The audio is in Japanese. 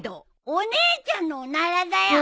お姉ちゃんのおならだよ！